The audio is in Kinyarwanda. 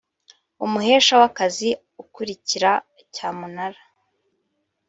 umuhesha w’akazi ukurikira cyamunara